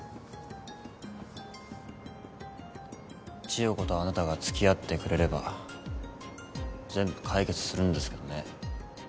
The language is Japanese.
千代子とあなたが付き合ってくれれば全部解決するんですけどね。